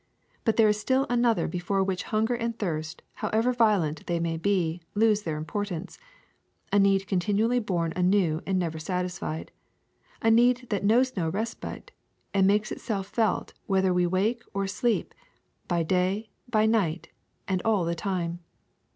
But there is still another before which hunger and thirst, however violent they may be, lose their importance; a need continually born anew and never satisfied; a need that knows no respite and makes itself felt whether we wake or sleep ; by day, by night, and all the time.